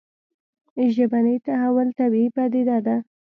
ژبني تحول طبیعي پديده ده